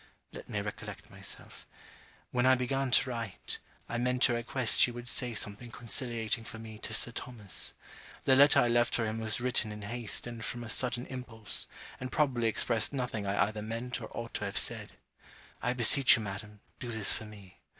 Let me recollect myself. When I began to write, I meant to request you would say something conciliating for me to Sir Thomas. The letter I left for him was written in haste and from a sudden impulse, and probably expressed nothing I either meant or ought to have said I beseech you, madam, do this for me.